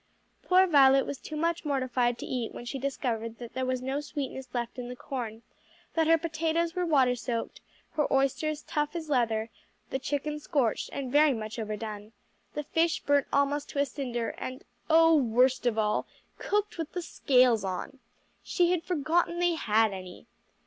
Poor Violet was too much mortified to eat when she discovered that there was no sweetness left in the corn, that her potatoes were water soaked, her oysters tough as leather, the chicken scorched and very much overdone, the fish burnt almost to a cinder, and oh worst of all! cooked with the scales on. She had forgotten they had any.